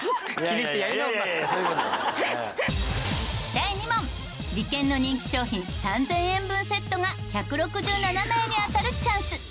第２問リケンの人気商品３０００円分セットが１６７名に当たるチャンス。